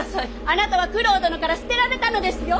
あなたは九郎殿から捨てられたのですよ。